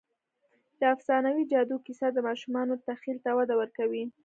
د افسانوي جادو کیسه د ماشومانو تخیل ته وده ورکوي.